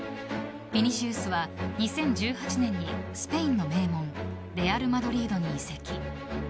ヴィニシウスは２０１８年にスペインの名門レアルマドリードに移籍。